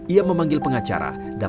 ia memanggil pengacara dan